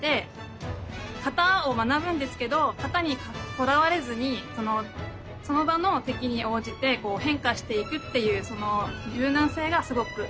形を学ぶんですけど形にとらわれずにその場の敵に応じて変化していくっていうその柔軟性がすごくいいなと思って。